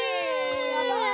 やばい！